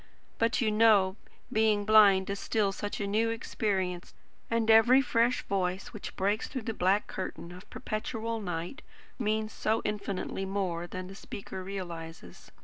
But, you know, being blind is still such a new experience, and every fresh voice which breaks through the black curtain of perpetual night, means so infinitely more than the speaker realises.